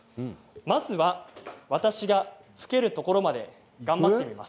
まずは私が吹けるところまで頑張ってみます。